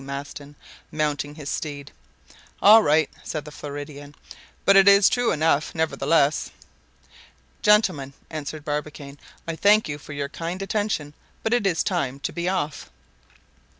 Maston, mounting his steed. "All right," said the Floridan; "but it is true enough, nevertheless." "Gentlemen," answered Barbicane, "I thank you for your kind attention; but it is time to be off."